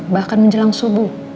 bahkan menjelang subuh